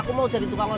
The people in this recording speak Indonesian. kalau aku mengajaknya